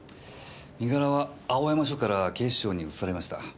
身柄は青山署から警視庁に移されました。